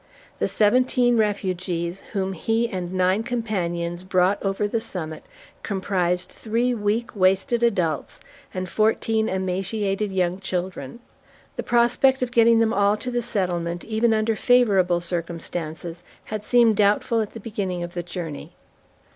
The seventeen refugees whom he and nine companions brought over the summit comprised three weak, wasted adults, and fourteen emaciated young children. The prospect of getting them all to the settlement, even under favorable circumstances, had seemed doubtful at the beginning of the journey.